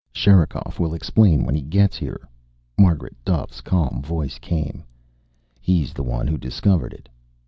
"Sherikov will explain when he gets here," Margaret Duffe's calm voice came. "He's the one who discovered it."